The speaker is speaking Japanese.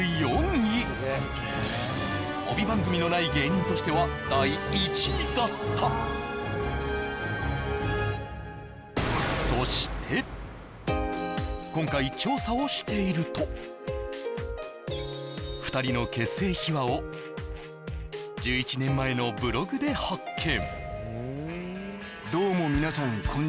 ４位帯番組のない芸人としては第１位だった今回調査をしていると２人の結成秘話を１１年前のブログで発見